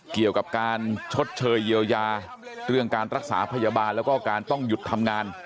เกี่ยวกับการชดเชยเยียวยาเรื่องการรักษาพยาบาลแล้วก็การต้องหยุดทำงาน